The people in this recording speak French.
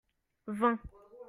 vingt.